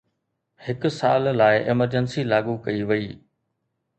هڪ سال لاءِ ايمرجنسي لاڳو ڪئي وئي